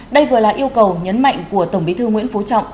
đây vừa là yêu cầu nhấn mạnh của tổng bí thư nguyễn phú trọng